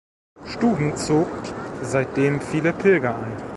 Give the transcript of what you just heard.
Stuben zog seitdem viele Pilger an.